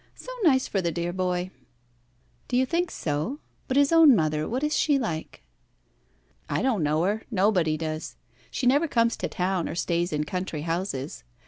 So nice for the dear boy." "Do you think so? But his own mother what is she like?" "I don't know her. Nobody does. She never comes to town or stays in country houses.